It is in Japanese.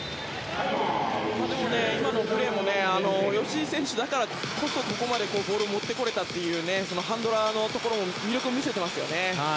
でも、今のプレーも吉井選手だからこそここまでボールを持ってこれたというハンドラーの魅力を見せていますね。